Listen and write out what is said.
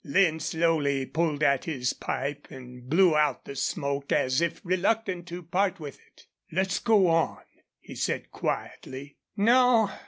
Lin slowly pulled at his pipe and blew out the smoke as if reluctant to part with it. "Let's go on," he said, quietly. "No.